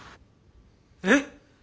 えっ！？